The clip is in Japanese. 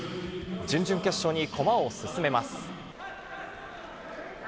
準々決勝に駒を進めます。